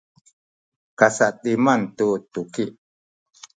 kasa’timan tu tuki